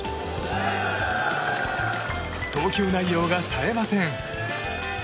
投球内容が冴えません。